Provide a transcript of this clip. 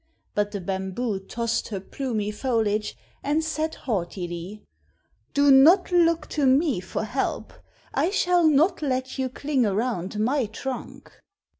But the bamboo tossed her plumy foliage and said haughtily, "Do not look to me for help. I shall not let you cling around my trunk."